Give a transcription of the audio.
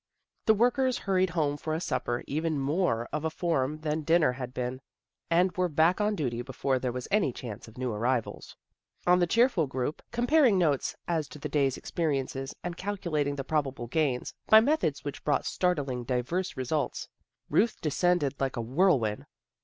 The workers hurried home for a supper, even more of a form than dinner had been, and were back on duty before there was any chance of new arrivals. On the cheerful group, comparing notes as THE BAZAR 109 to the day's experiences and calculating the probable gains, by methods which brought startlingly diverse results, Ruth descended like a whirlwind.